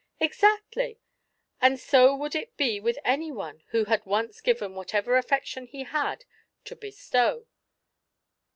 "Exactly; and so would it be with anyone who had once given whatever affection he had to bestow.